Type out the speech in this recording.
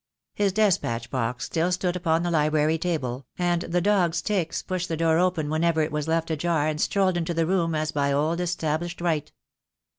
His despatch box still stood upon the library table, and the dog Styx pushed the door open whenever it was left ajar and strolled into the room as by old established right.